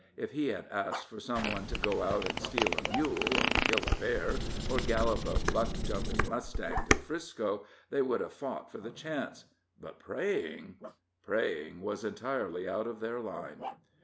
If he had asked for some one to go out and steal a mule, or kill a bear, or gallop a buck jumping mustang to 'Frisco, they would have fought for the chance; but praying praying was entirely out of their line.